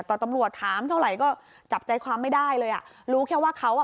แต่ตำรวจถามเท่าไหร่ก็จับใจความไม่ได้เลยอ่ะรู้แค่ว่าเขาอ่ะ